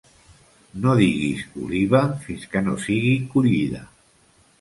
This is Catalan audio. No diguis oliva fins que no sigui collida.